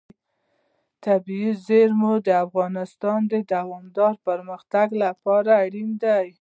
طبیعي زیرمې د افغانستان د دوامداره پرمختګ لپاره اړین دي.